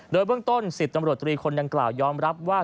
โดยเบื้องต้น๑๐ตำรวจตรีคนดังกล่าวยอมรับว่า